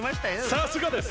さすがです。